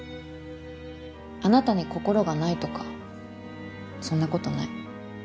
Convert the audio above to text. あなたに心がないとかそんなことない。